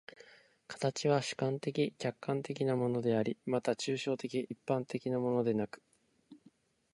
形は主観的・客観的なものであり、また抽象的一般的なものでなく、